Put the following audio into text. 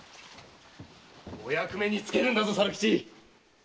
お役目に就けるんだぞ！